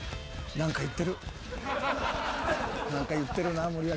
何か言ってるな森脇さん。